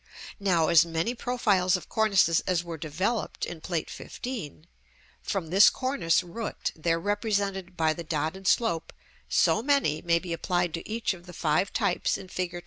Now, as many profiles of cornices as were developed in Plate XV. from this cornice root, there represented by the dotted slope, so many may be applied to each of the five types in Fig.